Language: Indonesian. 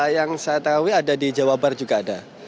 yang saya tahu ada di jawa barat juga ada